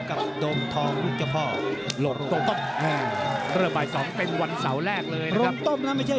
กับโดมทองทุกข์กระพ่อโรงต้ม